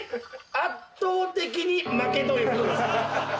圧倒的に負けという事ですね。